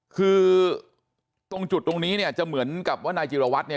คือตรงจุดตรงนี้เนี่ยจะเหมือนกับว่านายจิรวัตรเนี่ย